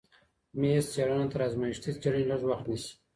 میز څېړنه تر ازمایښتي څېړنې لږ وخت نیسي.